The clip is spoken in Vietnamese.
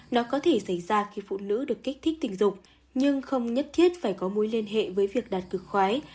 nó có thể xảy ra khi phụ nữ được kích thích tình dục nhưng không nhất thiết phải có mối liên hệ với việc đạt cực khoái